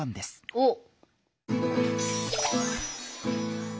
おっ。